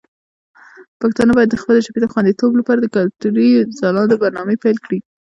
پښتانه باید د خپلې ژبې د خوندیتوب لپاره د کلتوري ځلانده برنامې پیل کړي.